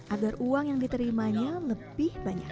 agar uang yang diterimanya lebih banyak